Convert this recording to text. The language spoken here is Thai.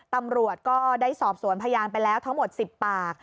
ตำรวจก็ได้สอบสวนพยานไปแล้วทั้งหมด๑๐ปาก